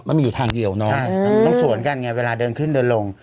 มันมีอยู่ทางเดียวเนาะต้องสวนกันไงเวลาเดินขึ้นเดินลง